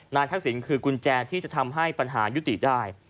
ทักษิณคือกุญแจที่จะทำให้ปัญหายุติได้